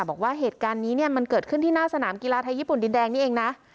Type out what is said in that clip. บอกว่าเหตุการณ์นี้เนี่ยมันเกิดขึ้นที่หน้าสนามกีฬาไทยญี่ปุ่นดินแดงนี่เองนะ